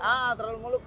haa terlalu muluk